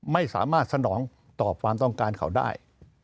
ไม่สามารถสนองต่อความต้องการเขาได้